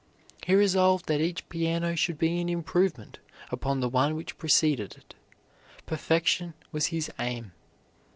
He resolved that each piano should be an improvement upon the one which preceded it; perfection was his aim.